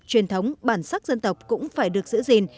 truyền thống bản sắc dân tộc cũng phải được giữ gìn